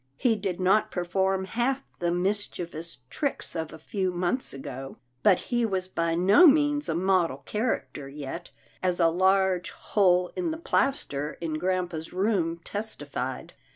He did not per form half the mischievous tricks of a few months GRAMPA'S DREAM 235 ago, but he was by no means a model character yet, as a large hole in the plastering in grampa's room testified.